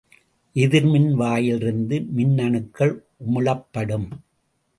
எதிர்மின் வாயிலிருந்து மின்னணுக்கள் உமிழப்படும்.